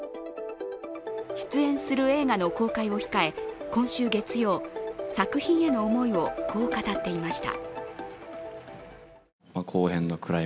出演する映画の公開を控え、今週月曜、作品への思いをこう語っていました。